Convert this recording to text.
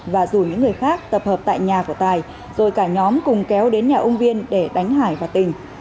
và rủ những người khác tập hợp tại nhà của tài rồi cả nhóm cùng kéo đến nhà ông viên để đánh hải và tình